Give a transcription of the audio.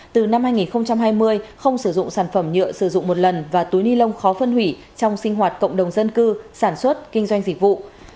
từ năm hai nghìn hai mươi không sử dụng sản phẩm nhựa sử dụng một lần và túi ni lông khó phân hủy trong sinh hoạt cộng đồng dân cư sản xuất kinh doanh dịch vụ